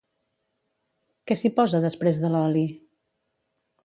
Què s'hi posa després de l'oli?